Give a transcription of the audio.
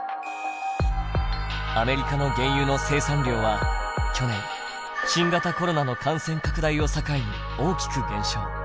アメリカの原油の生産量は去年新型コロナの感染拡大を境に大きく減少。